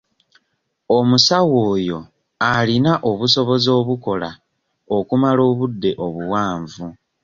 Omusawo oyo alina obusobozi obukola okumala obudde obuwanvu.